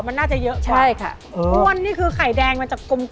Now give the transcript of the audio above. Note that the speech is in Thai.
มันน่าจะเยอะใช่ค่ะอ้วนนี่คือไข่แดงมันจะกลม